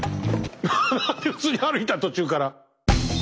普通に歩いた途中から。